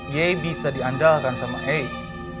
yei bisa diandalkan sama eik